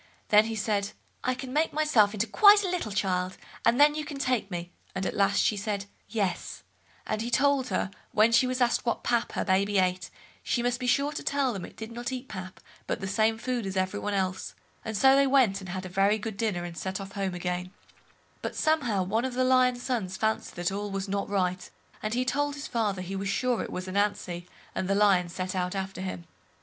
Then he said, I can turn myself into quite a little child, and then you can take me, and at last she said "Yes"; and he told her, when she was asked what pap her baby ate, she must be sure to tell them it did not eat pap, but the same food as every one else; and so they went, and had a very good dinner, and set off home again—but somehow one of the lion's sons fancied that all was not right, and he told his father he was sure it was Ananzi, and the Lion set out after him.